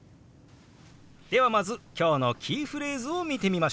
ではまず今日のキーフレーズを見てみましょう。